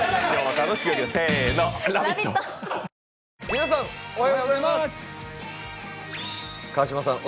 皆さんおはようございます川島さん